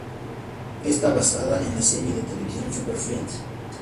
Está basada en la serie de televisión "Super Friends".